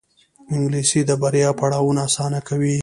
انګلیسي د بریا پړاوونه اسانه کوي